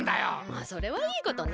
まあそれはいいことね。